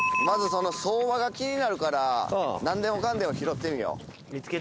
まず相場が気になるから何でもかんでも拾ってみよう。